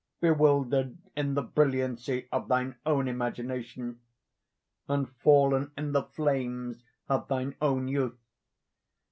—bewildered in the brilliancy of thine own imagination, and fallen in the flames of thine own youth!